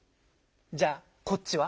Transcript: じゃあこっちは？